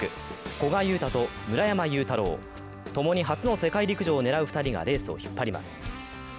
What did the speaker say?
古賀友太と村山裕太郎、共に初の世界陸上を狙う２人がレースを引っ張ります。